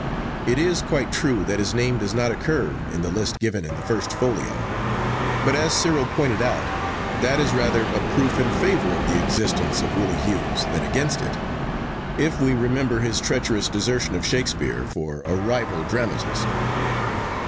'It is quite true that his name does not occur in the list given in the first folio; but, as Cyril pointed out, that is rather a proof in favour of the existence of Willie Hughes than against it, if we remember his treacherous desertion of Shakespeare for a rival dramatist.